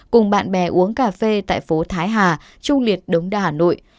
cùng bạn bè uống cà phê tại phố thái hà trung liệt đống đa hà nội